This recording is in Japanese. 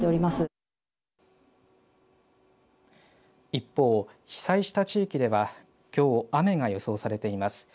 一方、被災した地域ではきょう雨が予想されています。